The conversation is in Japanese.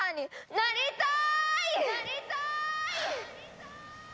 「なりたい」。